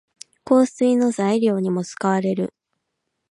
香水の材料にも使われる。